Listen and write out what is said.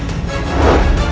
penyesalan di sixty one